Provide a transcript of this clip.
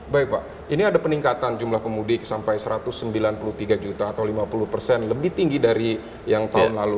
baik pak ini ada peningkatan jumlah pemudik sampai satu ratus sembilan puluh tiga juta atau lima puluh persen lebih tinggi dari yang tahun lalu